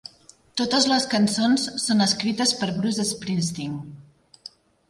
Totes les cançons són escrites per Bruce Springsteen.